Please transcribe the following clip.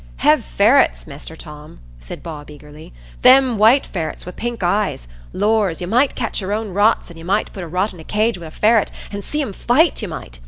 "Hev ferrets, Measter Tom," said Bob, eagerly,—"them white ferrets wi' pink eyes; Lors, you might catch your own rots, an' you might put a rot in a cage wi' a ferret, an' see 'em fight, you might.